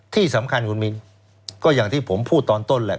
ที่สำคัญคุณมินก็อย่างที่ผมพูดตอนต้นแหละ